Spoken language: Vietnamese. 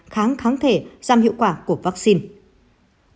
kháng kháng thể giam hiệu quả của vaccine